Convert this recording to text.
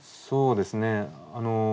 そうですね。